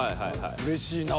うれしいなぁ。